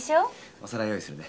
お皿用意するね。